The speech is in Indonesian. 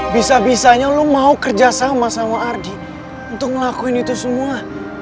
bisa bisanya lo mau kerjasama sama ardi untuk ngelakuin itu semua